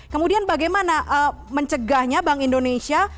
kemudian bagaimana mencegahnya bank indonesia